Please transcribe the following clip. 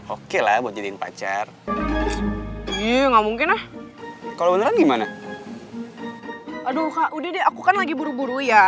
oke lah buat jadiin pacar iya nggak mungkin kalau gimana aduh kak udah aku kan lagi buru buru ya